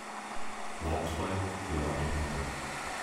Bleibtreu grew up in Hamburg.